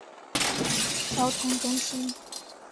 交通中心。